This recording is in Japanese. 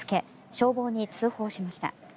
消防に通報しました。